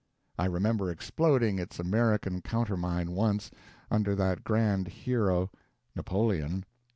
I remember exploding its American countermine once, under that grand hero, Napoleon.